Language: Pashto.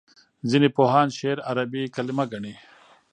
ځینې پوهان شعر عربي کلمه ګڼي.